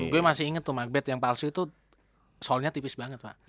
gw masih inget tuh macbeth yang palsu itu solnya tipis banget pak